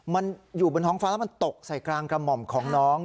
มันอยู่บนท้องฟ้าแล้วมันตกใส่กลางกระหม่อมของน้อง